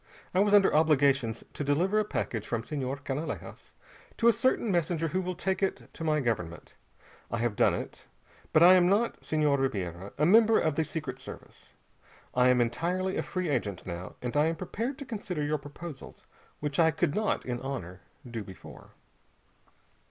I was under obligations to deliver a package from Senhor Canalejas to a certain messenger who will take it to my government. I have done it. But I am not, Senhor Ribiera, a member of the Secret Service. I am entirely a free agent now, and I am prepared to consider your proposals, which I could not in honor do before."